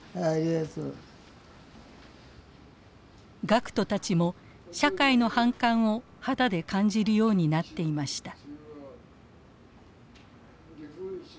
学徒たちも社会の反感を肌で感じるようになっていました。